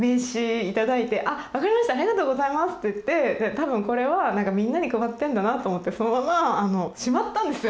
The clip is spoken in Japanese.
多分これはみんなに配ってんだなと思ってそのまましまったんですよ